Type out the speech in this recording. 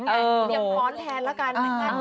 เรียบหมอนแทนละกัน